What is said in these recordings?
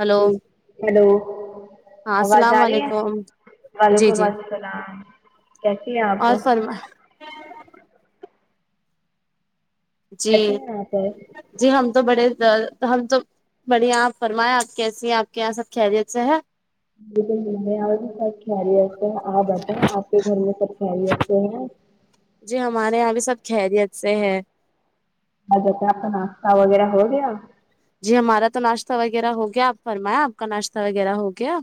hello جی hello ہاں آواز السلام آ رہی ہے علیکم جی وعلیکم جی السلام کیسی ہیں آپ تو اور فرما جی کیسی ہیں آپ جی ہم تو بڑے ا ہم تو بڑھیا آپ فرمائیں آپ کیسی ہیں آپ کے یہاں سب خیریت سے ہے میں بھی سب خیر یت ہے آپ بتائیے آپ کے گھر میں سب خیریت سے ہیں جی ہمارے یہاں بھی سب خیریت سے ہیں اور بتا آپ کا ناشتہ وغیرہ ہو گیا جی ہمارا تو ناشتہ وغیرہ ہو گیا آپ فرمائیں آپ کا ناشتہ وغیرہ ہو گیا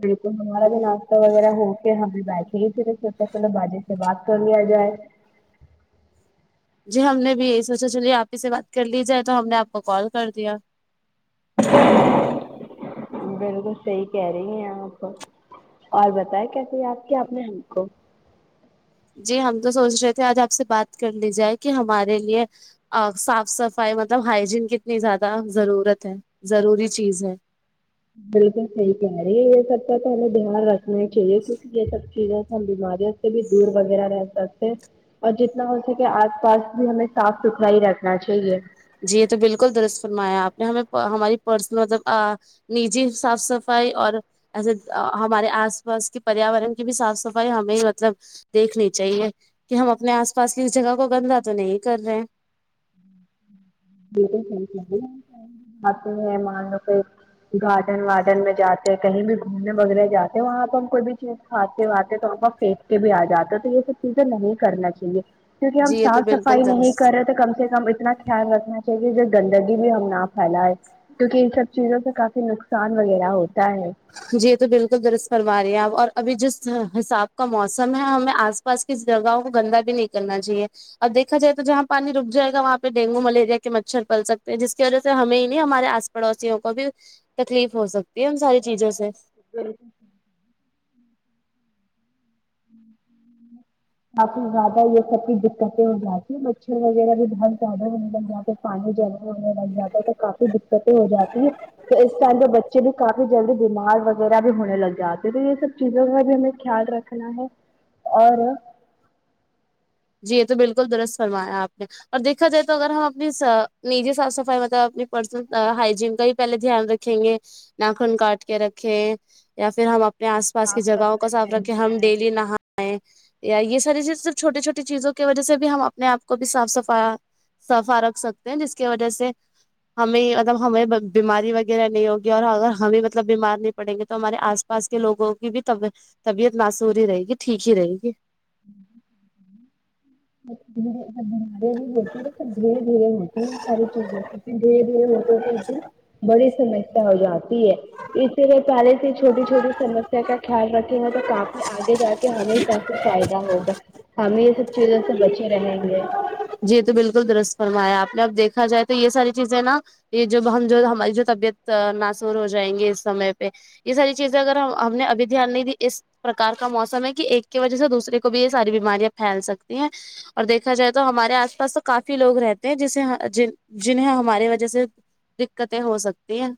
بالکل ہمارا جو ناشتہ وغیرہ ہو کے ہمیں بیٹھے سوچا چلو باجی سے بات کر لیا جائے جی ہم نے بھی یہی سوچا چلیے آپ ہی سے بات کر لی جائے تو ہم نے آپ کو کال کر دیا بالکل صحیح کہہ رہی ہیں آپ تو اور بتائے کیسے یاد کیا آپ نے ہم کو جی ہم تو سوچ رہے تھے آج آپ سے بات کر لی جائے کہ ہمارے لیے آ صاف صفائی مطلب ہائجین کتنی زیادہ ضرورت ہے ضروری چیز ہے بالکل صحیح کہہ رہی ہے یہ سب کا تو ہمیں دھیان رکھنا ہی چاہیے کیونکہ یہ سب چیزیں ہم بیماریوں سے بھی دور وغیرہ رہ سکتے اور جتنا ہو سکے آس پاس بھی ہمیں صاف ستھرا ہی رکھنا چاہیے جی یہ تو بالکل درست فرمایا آپ نے ہمیں ہماری پرسنل مطلب آ نجی صاف صفائی اور ایسے ہمارے آس پاس کے پریاورن کی بھی صاف صفائی ہمیں ہی مطلب دیکھنی چاہیے کہ ہم اپنے آس پاس کی اس جگہ کو گندہ تو نہیں کر رہے ہیں بالکل صحیح کہہ رہی ہے [unintelligible] گارڈن وارڈن میں جاتے کہیں بھی گھومنے وغیرہ جاتے وہاں پہ ہم کوئی بھی چیز کھاتے واتے تھوڑا پھینک کے بھی آ جاتے تو یہ سب چیزیں نہیں کرنا چاہیے کیونکہ ہم جی یہ تو صاف صفائی بالکل نہیں کر درست رہے تو کم سے کم اتنا خیال رکھنا جگہ جگہ گندگی بھی ہم نہ پھیلائیں کیونکہ ان سب چیزوں سے کافی نقصان وغیرہ ہوتا ہے جی تو بالکل درست فرما رہے ہیں آپ اور ابھی جس حساب کا موسم ہے ہمیں آس تو اس پاس کسی جگہوں کو گندا بھی نہیں کرنا چاہیے اب دیکھا جائے تو جہاں پانی رک جائے گا وہاں پہ ڈینگو ملیریا کے مچھر پل سکتے ہیں جس کی وجہ سے ہمیں ہی نہیں ہمارے آس پا پڑوسیوں کو بھی تکلیف ہو سکتی ہے ان ساری چیزوں سے [inaudible] کافی زیادہ یہ سب کی دقتیں ہو جاتی ہیں مچھر وغیرہ بھی بہت زیادہ ہونے لگ جاتے پانی جمع ہونے لگ جاتا ہے تو کافی دقتیں ہو جاتی ہیں تو اس ٹائم پے بچے بھی کافی جلدی بیمار وغیرہ بھی ہونے لگ جاتے ہیں تو یہ سب چیزوں کا بھی ہمیں خیال رکھنا ہے اور جی یہ تو بالکل درست فرمایا آپ نے اور دیکھا جائے تو اگر ہم اپنی نجی صاف سفائی مطلب اپنی پرسنل ہائجین کا بھی پہلے دھیان رکھ رکھیں گے ناخن کاٹ کے رکھے یا پھر ہم اپنے آس پاس کی جگہوں کا صاف رکھے ہم ڈیلی نہائے یا یہ ساری چیز سب چھوٹے چھوٹے چیزوں کی وجہ سے بھی ہم اپنے آپ کو بھی صاف سفایا صفا رکھ سکتے ہیں جس کی وجہ سے ہمیں اگر ہمیں بیماری وغیرہ نہیں ہوگی اور اگر ہمیں مطلب بیمار نہیں پڑیں گے تو ہمارے آس پاس کے لوگوں کی بھی طبیع طبیعت معصور ہی رہے گی ٹھیک ہی رہے گی [unintelligible] درے بیمارے بھی ہوتے توب دھیرے دھیرے ہوتے ہیں ساری چیزوں دھیرے دھیرے ہوتے ہوتے ایک دن بڑی سمسیا ہو جاتی ہے اسلئے پہلے سے چھوٹی چھوٹی سمسیا کا خیال رکھیں گا تو کافی آگے جا کے ہمیں پھر فائدہ ہوگا ہمیں یہ سب چیزوں سے بچے رہیں گے جی تو بالکل درس فمایا آپ نے اب دیکھا جائے تو یہ ساری چیزیں نا یہ جو ہم جو ہماری جو طبیعت ناصور ہو جائیں گے اس سمے پہ یہ ساری چیزیں اگر ہم نے ابھی دھیان نہیں دی اس پرکار کا موسم ہے کہ ایک کی وجہ سے دوسرے کو بھی یہ ساری بیماریاں پھیل سکتی ہیں اور دیکھا جائے تو ہمارے آس پاس تو کافی لوگ رہتے ہیں جسے جنہیں ہمارے وجہ سے دقتیں ہو سکتی ہیں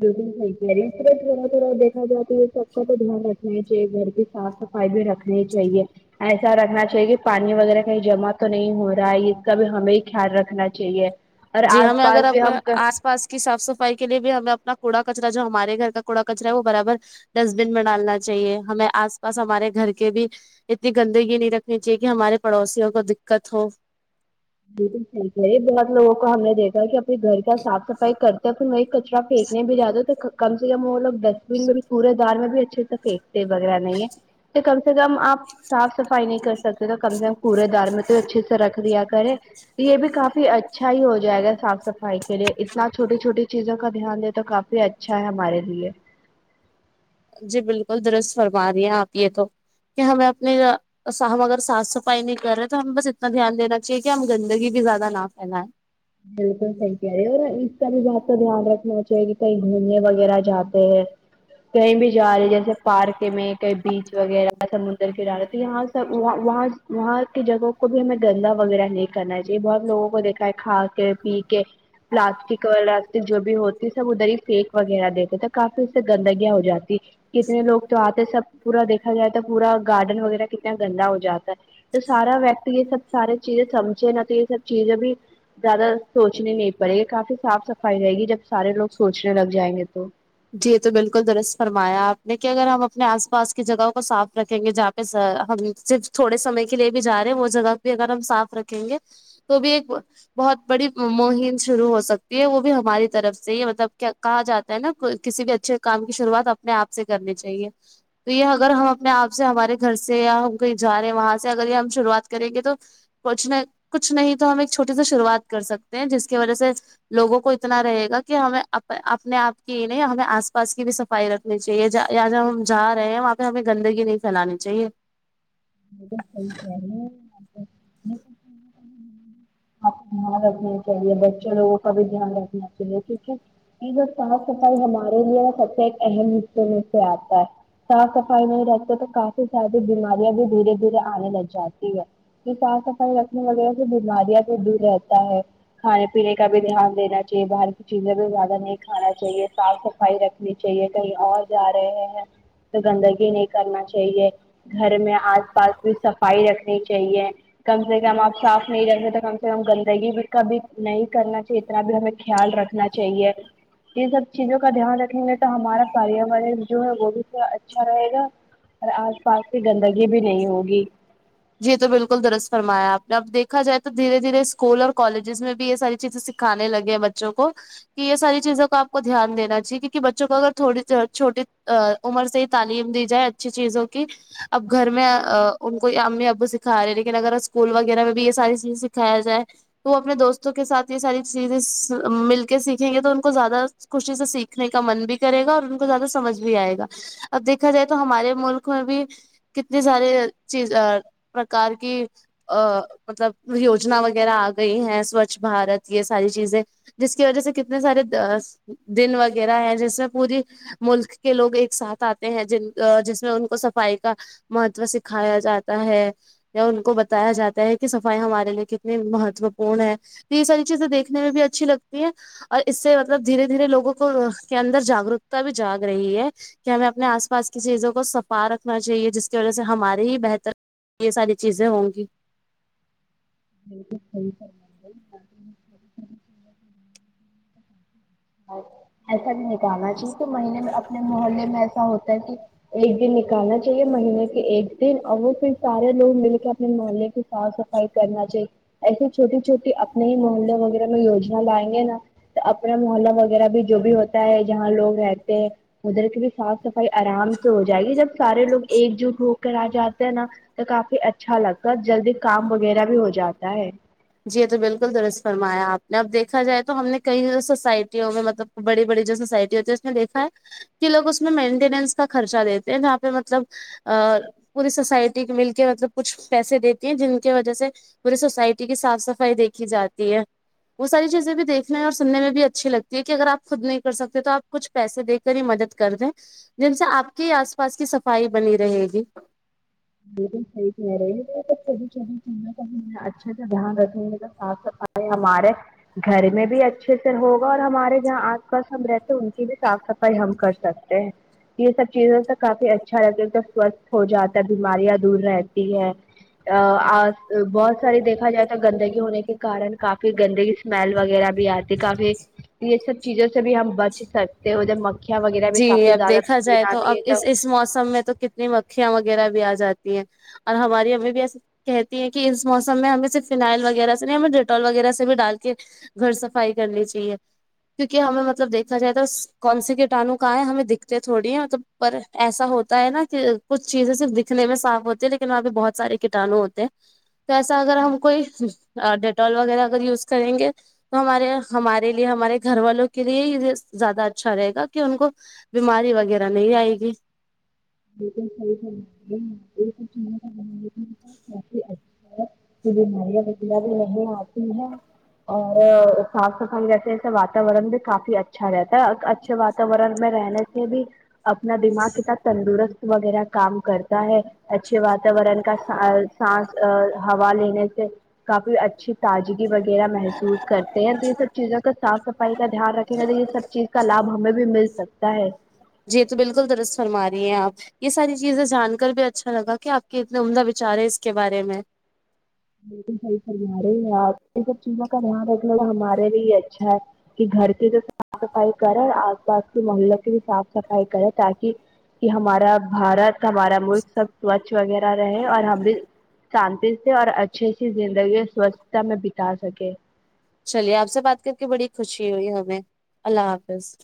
بالکلہ صحیح کہہ رہی ہے آپ تھوڑا تھوڑا دیکھا جائے تو یہ سب کا تو دھیان رکھنا ہے چاہیے گھر کی صاف صفائی بھی رکھ نا ہی چاہیے ایسا رکھنا چاہیے کہ پانی وغیرہ کہیں جمع تو نہیں ہو رہا ہے اس کا بھی ہمیں خیال رکھنا چاہیے اور جی آس ہمیں پاس اگر بھی اب ہم آس پاس کی صاف سفائی کے لیے بھی ہمیں اپنا کوڑا کچرا جو ہمارے گھر کا کوڑ کچرا ہے وہ برابر ڈسٹ بین میں ڈالنا چاہیے ہمیں آس پاس ہمارے گھر کے بھی اتنی گندگی نہیں رکھنی چاہیے کہ ہمارے پڑوسیوں کو دقت ہو بالکل صحیح ہے یہ بہت لوگوں کو ہم نے دیکھا کہ اپنے گھر کا صاف صفائی کرتے پھر وہ کچرا پھینکنے بھی جاتے تو کم سے کم وہ لوگ ڈسٹبین میں بھی کوڑے دار میں بھی اچھے سے پھینکتے وغیرہ نہیں ہے تو کم سے کم آپ صاف صفائی نہیں کر سکتے تو کم سے کم کوڑے دار میں تو اچھے سے رکھ دیا کرے یہ بھی کافی اچھ ا ہی ہو جائے گا صاف صفائی کے لیے اتنا چھوٹی چھوٹی چیزوں کا دھیان دے تو کافی اچھا ہے ہمارے لیے جی بالکل درست فرما رہی ہیں آپ یہ تو کہ ہمیں اپنی ہم اگر صاف صفائی نہیں کر رہے تو ہم بس اتنا دھیان دینا چاہیے کہ ہم گندگی بھی زیادہ نہ پھیلائیں بالکل صحیح کہہ رہی ہے اور اس کا بھی بات تو دھیان رکھنا ہو چاہیے کہ کہیں گھومنے وغیرہ جاتے ہیں کہیں بھی جا رہے جیسے پارک میں کہیں بیچ وغیرہ سمندر کنارے تو یہاں سب وہاں وہاں کی جگہوں کو بھی ہم گندا وغیرہ نہیں کرنا نہیں چاہئے بہت لوگوں کو دیکھا ہے کھا کے پی کے پلاسٹک ولاسٹک جو بھی ہوتی سب ادھر ہی پھینک وغیرہ دیتے تھے کافی اس سے گندگیاں ہو جاتی کتنے لوگ تو آتے سب پورا دیکھا جائے تو پورا گارڈن وغیرہ کتنا گندا ہو جاتا ہے تو سارا ویکتی یہ سب سارے چیزیں سمجھے نا تو یہ سب چیزیں بھی زیادہ سوچنی نہیں پڑے گی کافی صاف صفائی رہے گی جب سارے لوگ سوچنے لگ جائیں گے تو جی یہ تو بالکل درست فرمایا آپ نے کہ اگر ہم اپنے آس پاس کی جگہوں کو صاف رکھیں گے جہ ہم صرف تھوڑے سمے کے لیے بھی جا رہے ہیں وہ جگہ بھی اگر ہم صاف رکھیں گے تو بھی ایک بہت بڑی مہم شروع ہو سکتی ہے وہ بھی ہماری طرف سے ہی مطلب کیا کہا جاتا ہے نا کسی بھی اچھے کام کی شروعات اپنے آپ سے کرنی چاہیے تو یہ اگر ہم اپنے آپ سے ہمارے گھر سے یا ہم کہیں جا رہے ہیں وہاں سے اگر یہ ہم شروعات کریں گے تو کچھ نہیں کچھ نہیں تو ہم ایک چھوٹی سی شروعات کر سکتے ہیں جس کی وجہ سے لوگوں کو اتنا رہے گا کہ ہمیں اپنے آپ کی نہیں یا ہمیں آس پاس کی بھی صفائی صفائی رکھنی چاہیے یا جب ہم جا رہے ہیں وہاں پہ ہمیں گندگی نہیں پھیلانی چاہیے صحیح کہ رہی آپ ہاں رکھ [unintelligible] چاہیے بچے لوگو ں کا بھی دھیان رکھنا چاہیے ٹھیک ہے یہ جو صاف صفائی ہمارے لیے سب سے ایک اہم حصے میں سے آتا ہے صاف صفائی نہیں رکھتے ہے تو کافی ساری بیماریاں بھی دھیرے دھیرے آنے لگ جاتی ہے کہ صاف صفائی رکھنے وغیرہ سے بیماریاں بھی دور رہتا ہے کھانے پینے کا بھی دھیان دینا چاہیے باہر کی چیزیں بھی زیادہ نہیں کھانا چاہیے صاف سفا ئی صفائی رکھنی چاہیے کہیں اور جا رہے ہیں تو گندگی نہیں کرنا چاہیے گھر میں آج آس پاس کی صفائی رکھنی چاہیے کم سے کم آپ صاف نہیں رکھتے تو کم گندگی کا بھی نہیں کرنا چاہیے اتنا بھی ہمیں خیال رکھنا چاہیے ان سب چیزوں کا دھیان رکھیں گے تو ہمارا پیاورن جو ہے وہ بھی تھوڑا اچھا اچھا رہے گا اور آس پاس کی گندگی بھی نہیں ر ہے ہوگی ہ جی تو بالکل درست فرمایا آپ نے اب دیکھا جائے تو دھیر دھیرے اسکول اور کالجزس میں بھی یہ ساری چیزیں سکھ کھانے لگے ہیں بچوں کو کہ یہ ساری چیزوں کا آپ کو دھیان دیناچا ہیے کیونہ بچوں کو اگر تھوڑی چھوٹی عمر سے ہی تعلیم دی جائے اچھی چیزوں کی اب گھر میں ان کو امی ابو سکھا رہ ہیں لیکن اگر اسکول وغیرہ میں بھی یہ ساری چیزیں سکھایا جائے تو وہ اپنے دوستوں کے ساتھ یہ ساری چیزیں مل کے سیکھیں گے تو ان کو زیادہ خوشی سے سیکھنے کا من بھی کرے گا اور ان کو زیادہ سمجھ بھی آئے گا اب دیکھا جائے تو ہمارے ملک میں بھی کتنی سارے چیز پرکار کی ا مطلب یوجنا وغیرہ آ گئی ہیں سوچھ بھارت یہ ساری چیزیں جس کی وجہ سے کتنے سارے دن وغیرہ ہیں جس میں پوری ملک کے لوگ ایک ساتھ آتے ہیں جن جس میں ان کو صفائی کا مہتوے سکھایا جاتا ہے یا ان کو بتایا جاتا ہے کہ صفائی ہمارے لیے کتنی مہتو پورن ہے تو یہ ساری چیزیں دیکھنے میں بھی اچھی لگتی ہیں اور اس سے مطلب دھیرے دھیرے لوگوں کو کے اندر جاگروکتا بھی جاگ رہی ہے کہ ہمیں اپنے آس پاس کی چیزوں کو سفا رکھنا چاہیے جس اس کی وجہ سے ہمارے ہی بہتر یہ ساری چیزیں ہوں گی بالکل صحیح ہے نہیں [unintelligible] ایسا بھی نکالنا چاہیے کہ مہینے میں اپنے محلے میں ایسا ہوتا ہے کی ایک دن نکالنا چاہیے مہینے کے ایک دن اور وہ پھر سارے لوگ مل کے اپنے محلے کے صاف صفائی کرنا چاہیے ایسے چھوٹی چھوٹی اپنے ہی محلے وغیرہ میں یوجنا لائیں گے نا تو اپنا محلہ وغیرہ بھی جو بھی ہوتا ہے جہاں لوگ رہتے ہیں ادھر کی بھی صاف صفائی آرام سے ہو جائے گی جب سارے لوگ ایک جٹ ہو کر آ جاتے ہیں نا تو کافی اچھا لگ کا جلدی کام وغیرہ بھی ہو جاتا ہے جی یہ تو بالکل درست فرمایا آپ نے اب دیکھا جائے تو ہم نے کئی سوسائٹیوں میں مطلب بڑے بڑے جو سوسائٹی ہوتے ہے اس میں دیکھا ہے کہ لوگ اس میں مینٹیننس کا خرچہ دیتے ہیں جہاں پہ مطلب ا پوری سوسائٹی کے مل کے مطلب کچھ پیسے دیتی ہیں جن کی وجہ سے پوری سوسائٹی کیونکہ صاف صفائی دیکھی جاتی ہے وہ ساری چیزیں بھی دیکھنے اور سننے میں بھی اچھی لگتی ہے کہ اگر آپ خود نہیں کر سکتے تو آپ کچھ پیسے دے کر ہی مدد کر دیں جن سے آپ کے آس پاس کی صفائی بنی رہے گی بالکل صحیح کہہ رہی ہے [unintelligible] آپ اچھے سے دھیان رکھیں گے صاف صف نہیں ہمارے گھر میں بھی اچھے سے ہوگا اور ہمارے جہاں آس پاس ہم رہتے ہیں ان کی بھی صاف صفائی ہم کر سکتے ہیں یہ سب چیزوں تو کافی اچھا لگتا ہے سوستھ ہو جاتا ہے بیماریاں دور رہتی ہیں ا اس بہت ساری دیکھا جائے تو گندگی ہونے کے کن کافی گندگی میل وغیرہ بھی آتی کافی یہ سب چیزوں سے بھی ہم بچ سکتے ہو جب مکھیاں وغیرہ بھی جی کافی اب زیادہ بین دیکھا بناتی جائے آتی اب ہے اس تو اس موسم میں تو کت نی مکھیاں وغیرہ بھی آ جاتی ہیں اور ہماری امی بھی ایسے کہتی ہیں کہ اس موسم میں ہمیں صرف فنائل وغیرہ سے نہیں ہمیں ڈیٹول وغیرہ سے بھی ڈال کے گھر سفائی کرنی چاہیے کیونکہ ہمیں مط جب دیکھا جائے تو کونسی کٹانو کہا ہے ہمیں دکھتے تھوڑی ہے مطلب پر ایسا ہوتا ہے نا کہ کچھ چیزیں صرف دکھنے میں صاف ہوتی ہے لیکن وہاں پہ بہت سارے کٹانو ہوتے ہیں تو ایسا اگر ہم کوئی ڈیٹال وغیرہ اگر یوز کریں گے تو ہمارے ہمارے لیے ہمارے گھر والوں کے لیے یہ زیادہ اچھا رہے گا کہ ان کو بیماری وغیرہ نہیں آئے گی [inaudible] م بیا بھی نہیں آتی ہے [inaudible] اور صاف صفائی جیسے ایسے واتاورن بھی کافی اچھا رہتا ہے اور اچھے واتاورن میں رہنے پھر بھی اپنا دماغ کتنا تندرست وغیرہ کام کرتا ہے اچھے واتاورن کا سا سانس ا ہوا لینے سے کافی اچھی تازگی وغیرہ محسوس کرتے ہیں تو یہ سب چیزوں کا صاف صفائی کا دھیان رکھ یہ سب چیز کا لابھ ہمیں بھی مل سکتا ہے جی یہ تو بالکل درست فرما رہی ہیں آپ یہ ساری چیزیں جان کر بھی اچھا لگا کہ آپ کے اتنے عمدہ وچار ہے اس کے بارے میں بالکل صحیح فرما رہی ہے آپ یہ سب چیزوں کا دھیان رکھنا تو ہمارے لیے ہی اچھا ہے کہ گھر کی تو صاف صفائی کرے اور آس پاس کے محلوں کی بھی صاف صفائی کرے تاکہ کہ ہمارا بھارت ہمارا ملک سب سوچھ وغیرہ رہے اور ہم بھی شانتی سے اور اچھے سی زندگی سوچھتا میں بتا سکے چلیے آپ سے بات کر کے بڑی خوشی ہوئی ہمیں اللہ حافظ